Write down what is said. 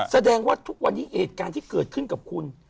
แสดงว่าทุกวันนี้เหตุการณ์ที่เกิดขึ้นกับคุณ